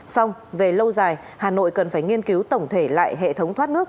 xong về lâu dài hà nội cần phải nghiên cứu tổng thể lại hệ thống thoát nước